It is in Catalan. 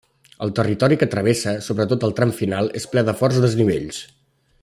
El territori que travessa, sobretot el tram final, és ple de forts desnivells.